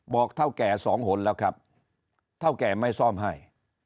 เท่าแก่สองหนแล้วครับเท่าแก่ไม่ซ่อมให้